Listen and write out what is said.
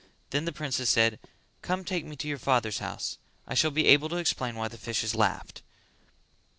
Then the princess said "Come take me to your father's house: I shall be able to explain why the fishes laughed."